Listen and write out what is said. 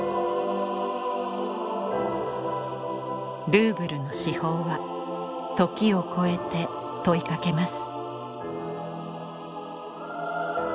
ルーブルの至宝は時をこえて問いかけます。